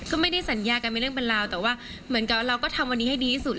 ก็ไม่ได้สัญญากันเป็นเรื่องเป็นราวแต่ว่าเหมือนกับเราก็ทำวันนี้ให้ดีที่สุด